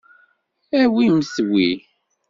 Awimt wi.